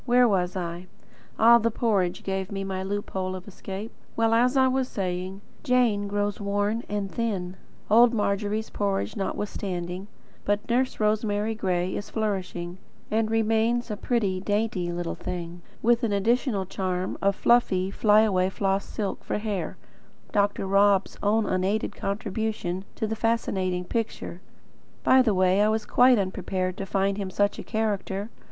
Where was I? Ah, the porridge gave me my loophole of escape. Well, as I was saying, Jane grows worn and thin, old Margery's porridge notwithstanding; but Nurse Rosemary Gray is flourishing, and remains a pretty, dainty little thing, with the additional charm of fluffy, fly away floss silk, for hair, Dr. Rob's own unaided contribution to the fascinating picture. By the way, I was quite unprepared to find him such a character.